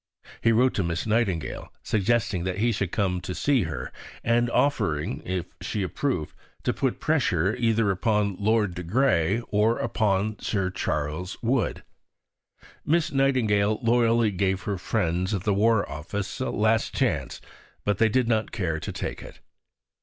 He wrote to Miss Nightingale suggesting that he should come to see her, and offering, if she approved, to put pressure either upon Lord de Grey or upon Sir Charles Wood. Miss Nightingale loyally gave her friends at the War Office a last chance, but they did not care to take it.